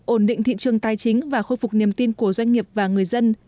ổn định thị trường tài chính và khôi phục niềm tin của doanh nghiệp và người dân